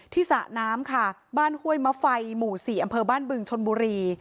สระน้ำค่ะบ้านห้วยมะไฟหมู่๔อำเภอบ้านบึงชนบุรี